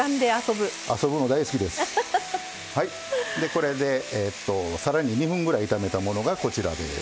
これで、さらに２分ぐらい炒めたものが、こちらです。